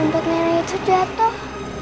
tempat nera itu jatuh